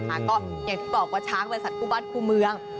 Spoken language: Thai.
ก็อย่างที่บอกว่าช้างเป็นสัตว์คู่บ้านคู่เมือง